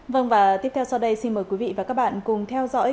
vâng và tiếp theo sau đây xin mời quý vị và các bạn cùng theo dõi